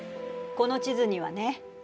この地図にはね